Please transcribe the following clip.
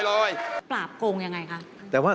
ปราบโกงยังไงคะ